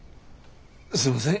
すんません